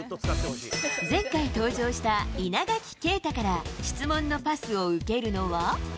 前回登場した稲垣啓太から質問のパスを受けるのは。